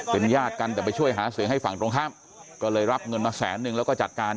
เป็นญาติกันแต่ไปช่วยหาเสียงให้ฝั่งตรงข้ามก็เลยรับเงินมาแสนนึงแล้วก็จัดการ